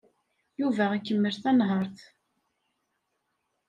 Yuba ikemmel tanhaṛt.